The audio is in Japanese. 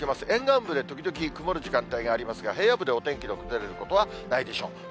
沿岸部で時々曇る時間帯がありますが、平野部でお天気の崩れることはないでしょう。